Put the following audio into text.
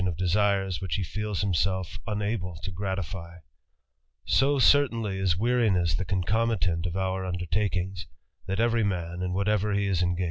of desires wl he feels himself unabl e to gratify. So certainly is w_earincss the concomitant oLourjug takings, that every man, in whitfYcr bf ii pne?